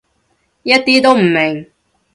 一啲都唔明